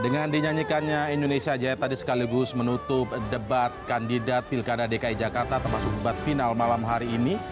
dengan dinyanyikannya indonesia jaya tadi sekaligus menutup debat kandidat pilkada dki jakarta termasuk debat final malam hari ini